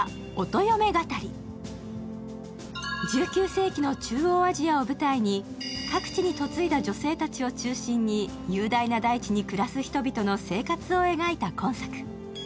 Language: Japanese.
１９世紀の中央アジアを舞台に各地に嫁いだ女性たちを中心に雄大な大地に暮らす人々の生活を描いた今作。